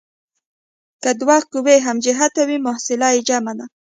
که دوه قوې هم جهته وي محصله یې جمع ده.